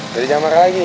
jadi jangan marah lagi